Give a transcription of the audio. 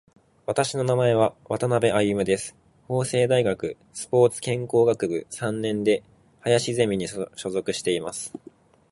私の名前は渡辺歩です。法政大学スポーツ健康学部三年で林ゼミに所属しています。趣味は車に乗ることで、今は三台目に乗っていて、マニュアル車に乗っています。アメ車に乗っていた経験もあります。